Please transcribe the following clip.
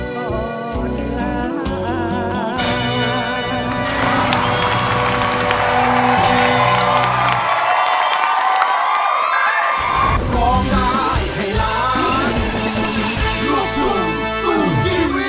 ปลอดร้าย